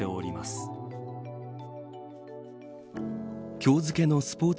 今日付けのスポーツ